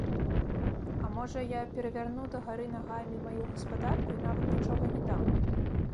А можа, я перавярну дагары нагамі маю гаспадарку і нават нічога не дам?